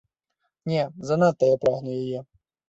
Не, занадта я прагну яе.